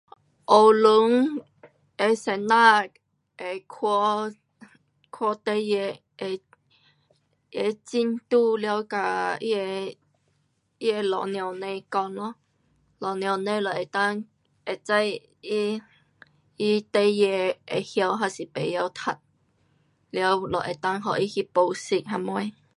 学堂的老师会看，看孩儿的，的进度了咯跟他的，他的父母亲讲咯，父母亲就能够会知他，他孩儿会晓还是甭晓读，了能够送他去补习什么。